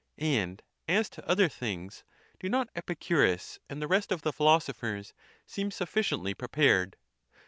And as to other things, do not Epicurus and the rest of the philosophers seem suffi ciently prepared?